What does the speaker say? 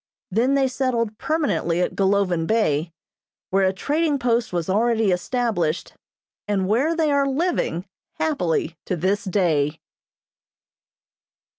Then they settled permanently at Golovin Bay, where a trading post was already established, and where they are living happily to this day.